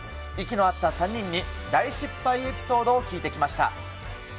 息の合った３人に、大失敗エピソードを聞いてきました。